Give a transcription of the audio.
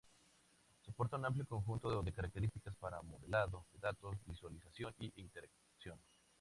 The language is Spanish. Soporta un amplio conjunto de características para modelado de datos, visualización e interacción.